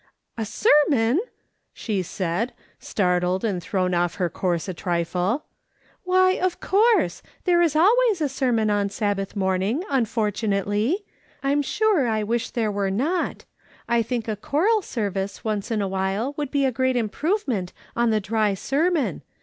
" A sermon !" she said, startled and thrown off her course a trifle. " Why, yes, of course ; there is always a sermon on Sabbath morning, unfortunately ; I'm sure I wish there were not. I think a choral service once in a while would be a great improvement on the dry sermon.